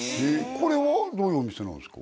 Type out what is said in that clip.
これはどういうお店なんですか？